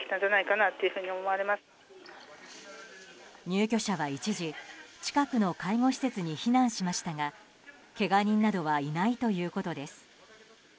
入居者は一時近くの介護施設に避難しましたがけが人などはいないということです。